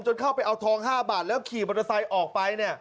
เข้าไปเอาทอง๕บาทแล้วขี่มอเตอร์ไซค์ออกไป